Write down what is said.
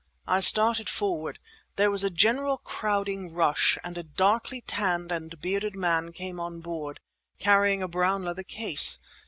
I started forward. There was a general crowding rush, and a darkly tanned and bearded man came on board, carrying a brown leather case.